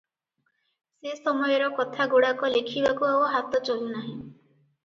ସେ ସମୟର କଥାଗୁଡ଼ାକ ଲେଖିବାକୁ ଆଉ ହାତ ଚଳୁ ନାହିଁ ।